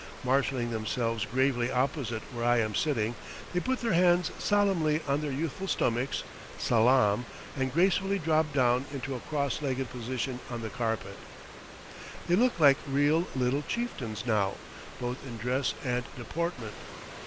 Marshalling themselves gravely opposite where I am sitting, they put their hands solemnly on their youthful stomachs, salaam, and gracefully drop down into a cross legged position on the carpet. They look like real little chieftains now, both in dress and deportment.